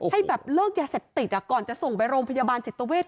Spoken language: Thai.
ให้แบบเลิกยาเสพติดก่อนจะส่งไปโรงพยาบาลจิตเวท